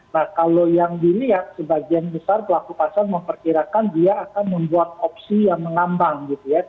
nah kalau yang dilihat sebagian besar pelaku pasar memperkirakan dia akan membuat opsi yang mengambang gitu ya